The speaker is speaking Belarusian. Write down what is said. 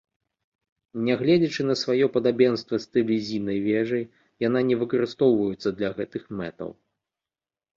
Нягледзячы на сваё падабенства з тэлевізійнай вежай, яна не выкарыстоўваецца для гэтых мэтаў.